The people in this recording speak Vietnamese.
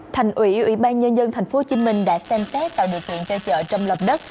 thành ủy ủy ban nhân dân thành phố hồ chí minh đã xem xét tạo điều kiện cho chợ trong lọc đất